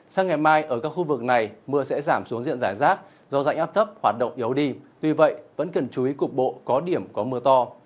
sáng ngày mai ở các khu vực này mưa sẽ giảm xuống diện giải rác do dạnh áp thấp hoạt động yếu đi tuy vậy vẫn cần chú ý cục bộ có điểm có mưa to